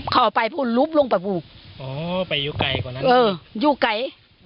เขาไปพูดลุบลงไปบุกอ๋อไปยุไก่กว่านั้นเออยุไก่